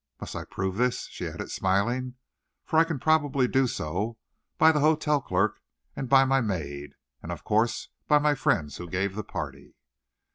Must I prove this?" she added, smiling; "for I can probably do so, by the hotel clerk and by my maid. And, of course, by my friends who gave the party."